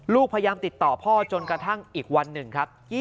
พยายามติดต่อพ่อจนกระทั่งอีกวันหนึ่งครับ